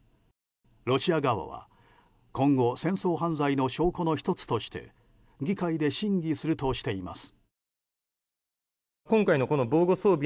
ロシア側は、今後戦争犯罪の証拠の１つとして議会で審議するとしています。